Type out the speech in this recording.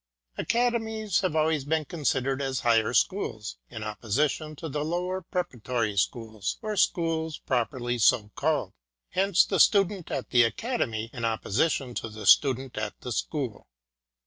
Academies have always been considered as higher schools, in opposition to the lower preparatory schools, or schools properly so called; hence, the student at the academy, in opposition to the pupil at the school.